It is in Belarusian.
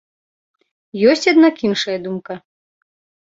Ёсць аднак іншая думка.